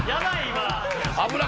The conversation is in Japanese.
今。